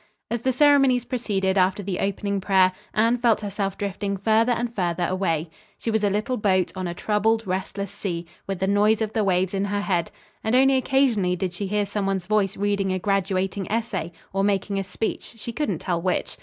As the ceremonies proceeded after the opening prayer, Anne felt herself drifting further and further away. She was a little boat on a troubled, restless sea, with the noise of the waves in her head, and only occasionally did she hear some one's voice reading a graduating essay or making a speech she couldn't tell which.